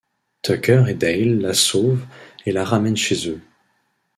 Tucker et Dale la sauvent et la ramènent chez eux.